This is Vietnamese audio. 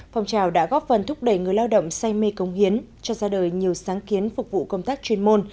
phong trào đã góp phần thúc đẩy người lao động say mê công hiến cho ra đời nhiều sáng kiến phục vụ công tác chuyên môn